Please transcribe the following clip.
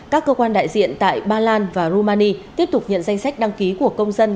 các cơ quan đại diện tại ba lan và rumani tiếp tục nhận danh sách đăng ký của công dân